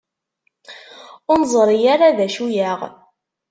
Ur neẓri ara d acu-yaɣ.